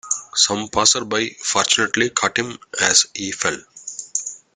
Some passersby fortunately caught him as he fell.